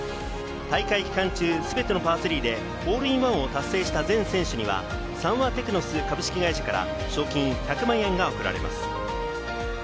大会期間中、全てのパー３でホールインワンを達成した全選手には、サンワテクノス株式会社から賞金１００万円が贈られます。